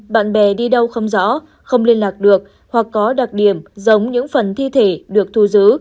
bạn bè đi đâu không rõ không liên lạc được hoặc có đặc điểm giống những phần thi thể được thu giữ